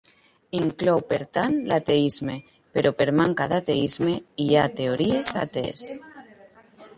Inclou, per tant, l'ateisme, però, per manca d'ateisme, hi ha teories atees.